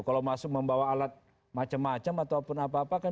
kalau masuk membawa alat macam macam ataupun apa apa kan